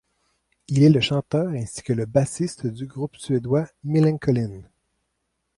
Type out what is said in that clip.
Il est le chanteur ainsi que le bassiste du groupe suédois Millencolin.